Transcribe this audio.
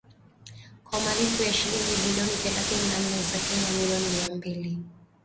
kwa malipo ya shilingi bilioni thelathini na nne za Kenya milioni mia mbili